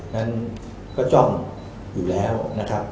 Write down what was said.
นั้นก็จ้องอยู่แล้วนะครับ